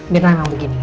mirna emang begini